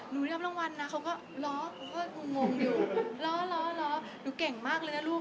ได้รับรางวัลนะเขาก็ล้องงอยู่ล้อล้อหนูเก่งมากเลยนะลูก